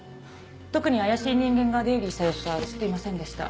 特に怪しい人間が出入りした様子は映っていませんでした。